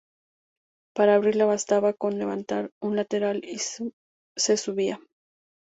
Para abrirla bastaba con levantar un lateral y se subía.